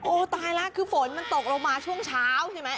ตายแล้วคือฝนมันตกลงมาช่วงเช้าใช่ไหม